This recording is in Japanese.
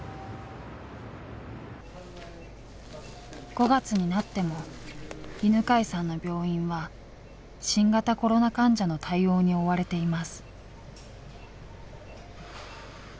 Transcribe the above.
５月になっても犬養さんの病院は新型コロナ患者の対応に追われています。